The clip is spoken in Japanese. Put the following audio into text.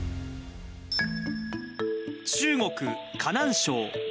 中国・河南省。